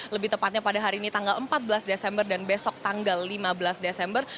lebih tepatnya pada hari ini tanggal empat belas desember dan besok tanggal lima belas desember